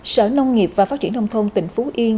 sở nông nghiệp và phát triển nông thôn tỉnh phú yên